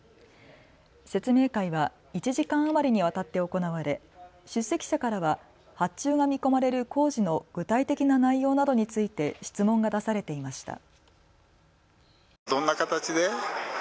説明会は１時間余りにわたって行われ出席者からは発注が見込まれる工事の具体的な内容などについて質問が出されていました。